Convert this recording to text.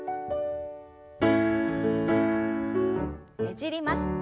ねじります。